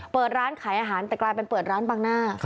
เปิดร้านขายอาหารแต่กลายเป็นเปิดร้านบางหน้า